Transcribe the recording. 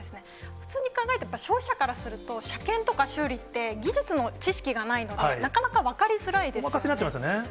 普通に考えてやっぱ、消費者からすると、車検とか修理って、技術の知識がないと、なかなか分お任せになっちゃいますよね。